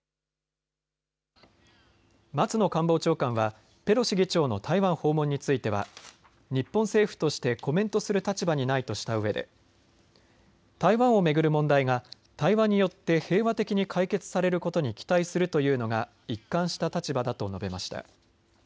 松野官房長官はペロシ議長の台湾訪問については日本政府としてコメントする立場にないとしたうえで台湾を巡る問題が対話によって平和的に解決されることに期待するというのが一貫した立場だと述べました。